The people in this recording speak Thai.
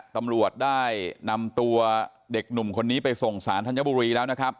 ตำรวจได้นำตัวเด็กหนุ่มคนนี้ไปส่งศาลท่านบุรีแล้ว